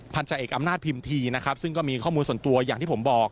จากเอกอำนาจพิมพีนะครับซึ่งก็มีข้อมูลส่วนตัวอย่างที่ผมบอก